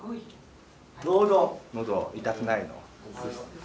のど痛くないの？